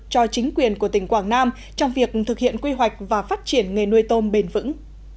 cho chính quyền của tỉnh quảng nam trong việc thực hiện quy hoạch và phát triển nghề nuôi tôm bền vững